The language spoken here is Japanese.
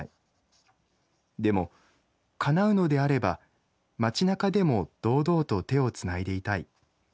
でも叶うのであれば街中でも堂々と手を繋いでいたい。